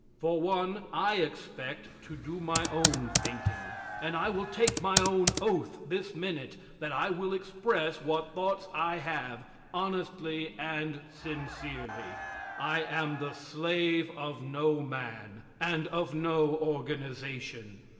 For one, I expect to do my own thinking. And I will take my own oath this minute that I will express what thoughts I have, honestly and sincerely. I am the slave of no man and of no organization.